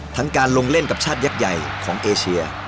การลงเล่นกับชาติยักษ์ใหญ่ของเอเชีย